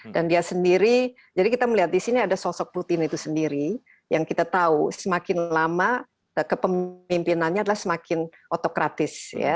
dan dia sendiri jadi kita melihat di sini ada sosok putin itu sendiri yang kita tahu semakin lama kepemimpinannya adalah semakin otokratis